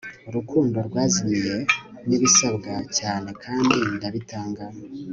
Urukundo Rwazimiye Nibisabwa cyane kandi ndabitanga